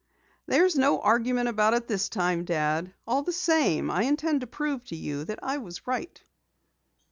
"There's no argument about it this time, Dad. All the same, I intend to prove to you that I was right!"